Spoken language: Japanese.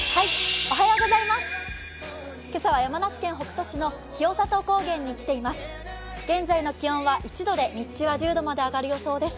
今朝は山梨県北杜市の清里高原に来ています。